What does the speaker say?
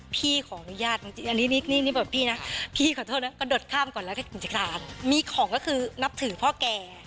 พี่ขออนุญาตจริงจริงอันนี้นี่นี่นี่บอกพี่นะพี่ขอโทษนะก็ดดข้ามก่อนแล้วแค่กินจักรรมีของก็คือนับถือพ่อแก่